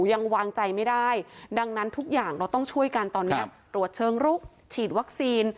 ยังวางใจไม่ได้ดังนั้นทุกอย่างเราต้องช่วยกันตอนนี้ตรวจเชิงรุกฉีดวัคซีน